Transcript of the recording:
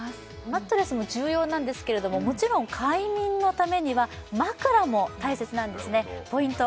マットレスも重要なんですけれどももちろん快眠のためには枕も大切なんですねポイント